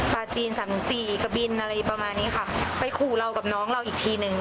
ปลาจีนสามถึงสี่กะบินอะไรประมาณนี้ค่ะไปขู่เรากับน้องเราอีกทีหนึ่ง